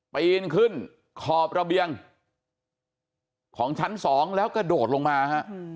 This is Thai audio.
ปีนขึ้นขอบระเบียงของชั้น๒แล้วกระโดดลงมาฮะ